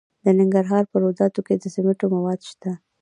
د ننګرهار په روداتو کې د سمنټو مواد شته.